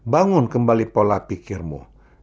bangun kembali pola pikirmu